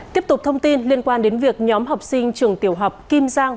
tiếp tục thông tin liên quan đến việc nhóm học sinh trường tiểu học kim giang